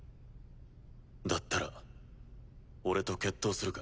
だったら俺と決闘するか？